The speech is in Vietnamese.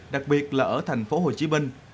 đặc biệt là ở thành phố hồ chí minh